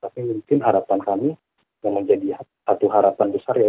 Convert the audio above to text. tapi mungkin harapan kami yang menjadi satu harapan besar ya